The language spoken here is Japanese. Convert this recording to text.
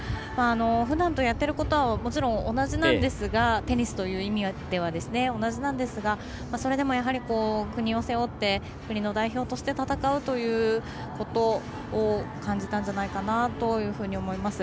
ふだんとやってることはもちろん同じなんですがテニスという意味では同じなんですがそれでもやはり、国を背負って国の代表として戦うということを感じたんじゃないかと思います。